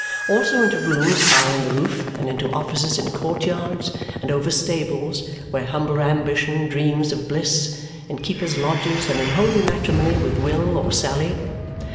Also into rooms high in the roof, and into offices in court yards, and over stables, where humbler ambition dreams of bliss, in keepers' lodges, and in holy matrimony with Will or Sally.